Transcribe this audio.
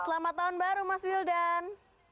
selamat tahun baru mas wildan